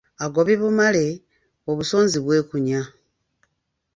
Agobye bumale, obusonzi bwekunya.